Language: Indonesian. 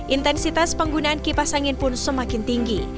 intensitas penggunaan kipas angin pun semakin tinggi